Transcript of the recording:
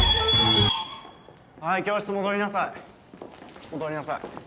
はい教室戻りなさい戻りなさい。